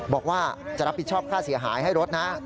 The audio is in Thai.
บอกว่าจะรับผิดชอบค่าเสียหายให้รถนะ